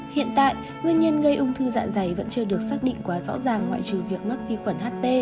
hiện tại nguyên nhân gây ung thư dạ dày vẫn chưa được xác định quá rõ ràng ngoại trừ việc mắc vi khuẩn hp